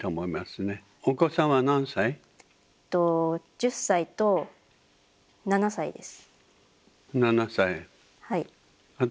１０歳と７歳です。